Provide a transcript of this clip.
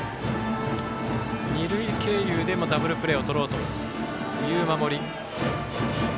二塁経由でもダブルプレーをとろうという守り。